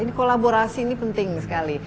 ini kolaborasi ini penting sekali